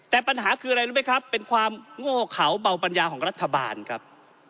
แต่ปัญหาคืออะไรรู้ไหมครับเป็นความโง่เขาเบาปัญญาของรัฐบาลครับ